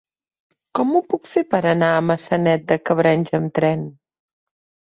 Com ho puc fer per anar a Maçanet de Cabrenys amb tren?